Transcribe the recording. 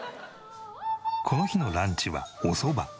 この日のランチはお蕎麦。